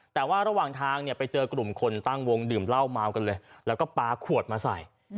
แต่ว่าระหว่างทางเนี่ยไปเจอกลุ่มคนตั้งวงดื่มเหล้าเมากันเลยแล้วก็ปลาขวดมาใส่